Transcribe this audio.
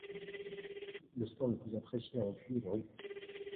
Le sport le plus apprécié à Ampuis est le rugby.